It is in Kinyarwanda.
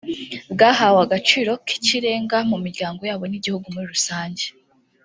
bahawe agaciro k’ikirenga mu miryango yabo n’igihugu muri rusange